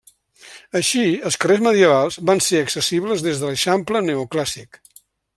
Així, els carrers medievals van ser accessibles des de l'eixample neoclàssic.